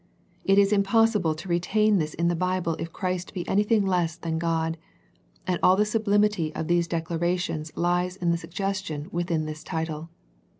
It is impossible to retain this in the Bible if Christ be anything less than God, and all the sublim ity of these declarations lies in the suggestion within this title.